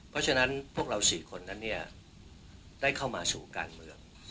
เพราะฉะนั้นพวกเรา๔คนนั้นเนี่ยได้เข้ามาสู่การเมือง